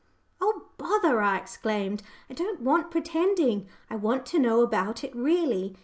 "Oh, bother!" I exclaimed, "I don't want pretending. I want to know about it really.